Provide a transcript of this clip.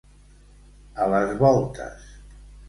A les voltes.